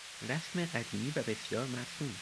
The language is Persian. رسم قدیمی و بسیار مرسوم